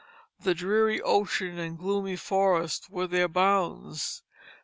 The dreary ocean, the gloomy forests, were their bounds.